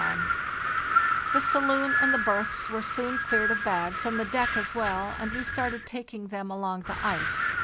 58 FARTHEST NORTH " The saloon and the berths were soon cleared of bags, and the deck as well, and we started taking them along the ice.